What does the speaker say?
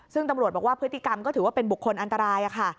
ซึ่งตำรวจบอกว่าพฤติกรรมก็ถือว่าเป็นบุคคลอันตรายค่ะ